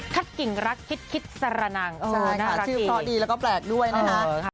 ถัดกิ่งรักคิดคิดสรนังชื่อพอดีแล้วก็แปลกด้วยนะครับ